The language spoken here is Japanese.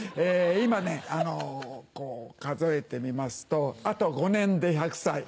今ねこう数えてみますとあと５年で１００歳。